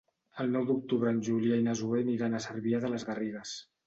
El nou d'octubre en Julià i na Zoè aniran a Cervià de les Garrigues.